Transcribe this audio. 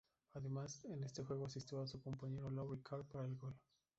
Además, en este juego asistió a su compañero Louie Carr para el gol.